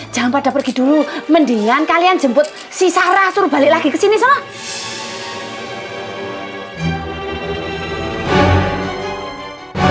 jangan pada pergi dulu mendingan kalian jemput si sarah suruh balik lagi kesini semua